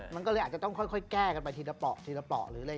มันก็เลยอาจจะต้องค่อยแก้กันไปทีละป่อ